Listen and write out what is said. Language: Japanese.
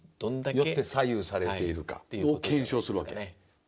よって左右されているかを検証するわけ。